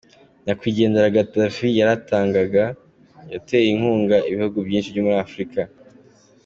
Nyakwigendera Gaddafi yaratangaga, yateye inkunga ibihugu byinshi byo muri Africa,